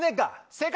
正解。